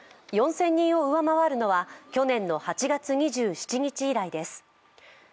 ４０００人を上回るのは去年の８月２７日以来です。